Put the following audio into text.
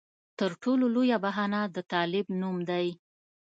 تر ټولو لویه بهانه د طالب نوم دی.